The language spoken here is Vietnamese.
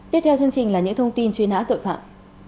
tiếp theo là những thông tin truy nã tội phạm